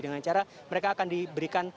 dengan cara mereka akan diberikan